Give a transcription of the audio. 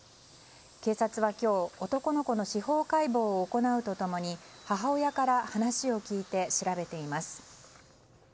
警察は今日男の子の司法解剖を行うと共に母親から話を聞いて調べています。